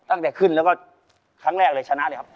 ตั้งแต่ขึ้นแล้วก็ครั้งแรกเลยชนะเลยครับ